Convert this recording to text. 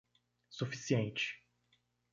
Suficiente